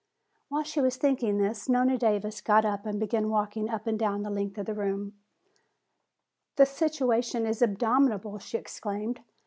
While she was thinking this, Nona Davis got up and began walking up and down the length of the room. "The situation is abominable!" she exclaimed.